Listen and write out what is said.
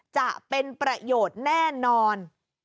จะเป็นประโยชน์แน่นอน